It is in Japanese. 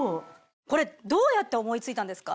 これどうやって思い付いたんですか？